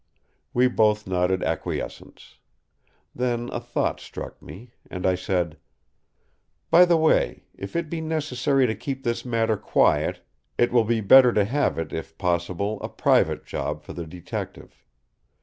We both nodded acquiescence. Then a thought struck me and I said: "By the way, if it be necessary to keep this matter quiet it will be better to have it if possible a private job for the Detective.